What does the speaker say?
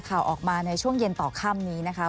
ข่าวออกมาในช่วงเย็นต่อค่ำนี้นะคะ